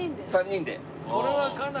３人で。